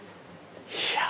いや！